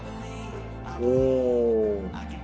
お！